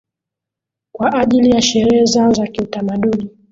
kwa ajili ya sherehe zao za kiutamaduni